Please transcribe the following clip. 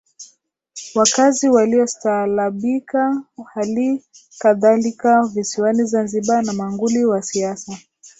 Wakazi waliostaalabika halikadhalika visiwani Zanzibar na manguli wa siasa